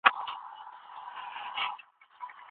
ده د واک په اوږدو کې د خلکو عزت او کرامت تل ساتلی و.